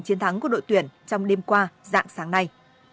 chiến thắng của đội tuyển trong đêm qua dạng sáng nay